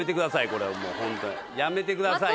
これはもうホントにやめてください